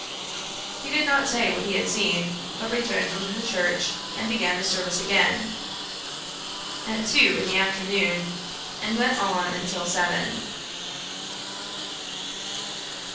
He did not say what he had seen, but returned into the church, and began the service again, at two in the afternoon, and went on until seven.